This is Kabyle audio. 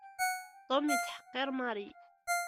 Tom yettḥeqqiṛ Mary.